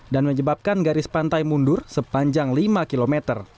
dan menyebabkan garis pantai mundur sepanjang lima km